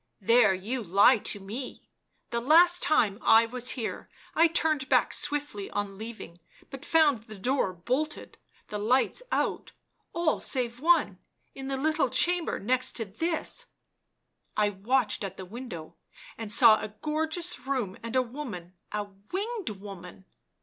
" There you lie to me ; the last time I was here, I turned back swiftly on leaving, but found the door bolted, the lights out, all save one — in the little chamber next to this — I watched at the window and saw a gorgeous room and a woman, a winged woman."